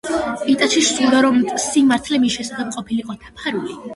იტაჩის სურდა, რომ სიმართლე მის შესახებ ყოფილიყო დაფარული.